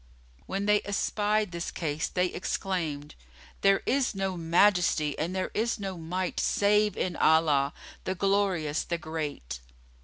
When they espied this case, they exclaimed, "There is no Majesty and there is no Might save in Allah, the Glorious, the Great!"